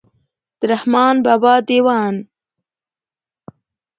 د رحمان بابا دېوان.